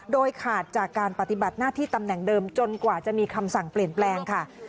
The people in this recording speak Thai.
โดยขาดจากการปฏิบัติหน้าที่ตำแหน่งเดิมจนกว่าจะมีคำสั่งเปลี่ยนแปลงค่ะ